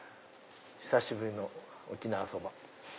久しぶりの沖縄そば。